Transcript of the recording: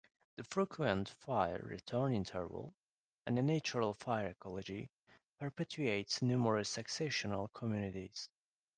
The frequent fire return interval, a natural fire ecology, perpetuates numerous successional communities.